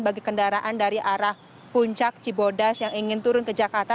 bagi kendaraan dari arah puncak cibodas yang ingin turun ke jakarta